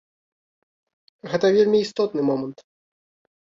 Гэта вельмі істотны момант.